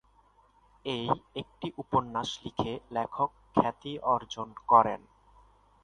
এই একটি উপন্যাস লিখে লেখক খ্যাতি অর্জন করেন।